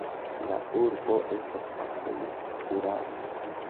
La urbo estas apud Uralo.